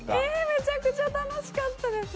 めちゃくちゃ楽しかったです。